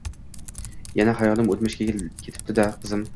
yana xayolim o`tmishga ketibdi-da qizim